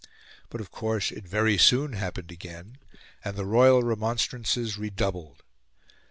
But, of course, it very soon happened again, and the royal remonstrances redoubled.